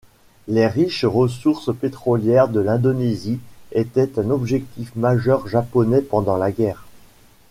Les riches ressources pétrolières de l'Indonésie étaient un objectif majeur japonais pendant la guerre.